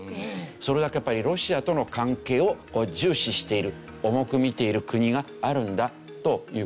それだけやっぱりロシアとの関係を重視している重く見ている国があるんだという事ですね。